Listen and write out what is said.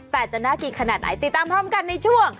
แต่จะน่ากินขนาดไหนติดตามพร้อมกันในช่วง